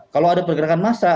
kalau ada pergerakan massa